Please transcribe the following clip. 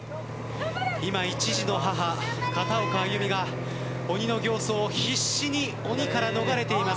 今一児の母、片岡安祐美が鬼の形相、必死に鬼から逃れています。